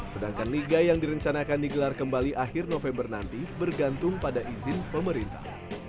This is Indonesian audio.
sedangkan liga yang direncanakan digelar kembali akhir november nanti bergantung pada izin pemerintah